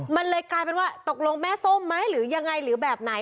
มันเลยกลายเป็นว่าตกลงแม่ส้มไหมหรือยังไงหรือแบบไหน